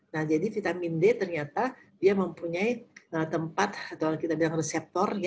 nah jadi vitamin d ternyata dia mempunyai tempat atau kita bilang reseptor